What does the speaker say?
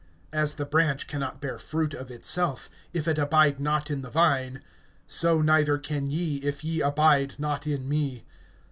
As the branch can not bear fruit of itself, if it abide not in the vine, so neither can ye, if ye abide not in me.